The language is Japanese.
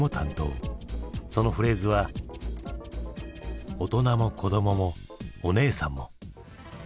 そのフレーズは「大人も子供も、おねーさんも。」。